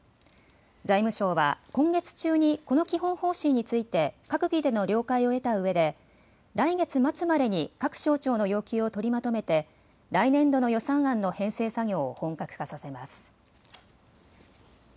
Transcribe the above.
財務省は今月中にこの基本方針について閣議での了解を得たうえで来月末までに各省庁の要求を取りまとめて来年度の予算案の編成作業を本格化させます。